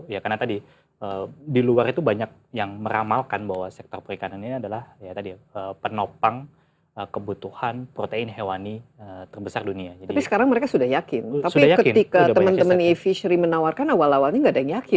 jadi berarti ada proses edukasi juga